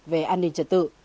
về an ninh trả tự